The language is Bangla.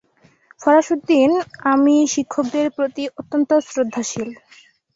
ফরাসউদ্দিন আমি শিক্ষকদের প্রতি অত্যন্ত শ্রদ্ধাশীল।